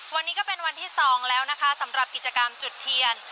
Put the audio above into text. วันนี้ก็เป็นวันที่๒แล้วนะคะสำหรับกิจกรรมจุดเทียน